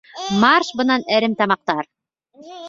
Марш бынан әремтамаҡтар!..